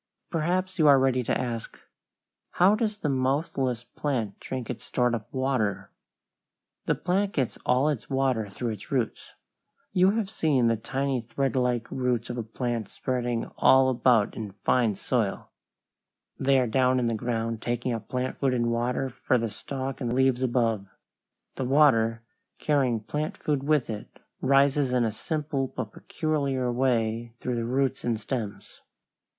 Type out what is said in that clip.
Perhaps you are ready to ask, "How does the mouthless plant drink its stored up water?" The plant gets all its water through its roots. You have seen the tiny threadlike roots of a plant spreading all about in fine soil; they are down in the ground taking up plant food and water for the stalk and leaves above. The water, carrying plant food with it, rises in a simple but peculiar way through the roots and stems.